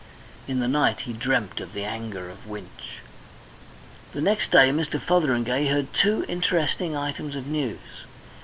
In the night he dreamt of the anger of Winch. The next day Mr. Fotheringay heard two interesting items of news.